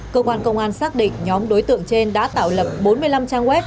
cơ quan công an xác định nhóm đối tượng trên đã tạo lập bốn mươi năm trang web